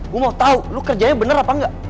gue mau tau lo kerjanya bener apa engga